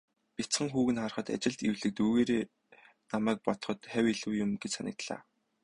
Бяцхан хүүг нь харахад, ажилд эвлэг дүйгээрээ намайг бодоход хавь илүү юм гэж санагдлаа.